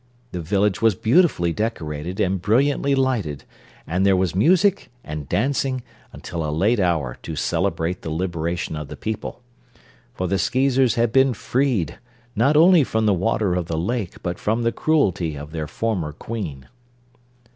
The village was beautifully decorated and brilliantly lighted and there was music and dancing until a late hour to celebrate the liberation of the people. For the Skeezers had been freed, not only from the water of the lake but from the cruelty of their former Queen.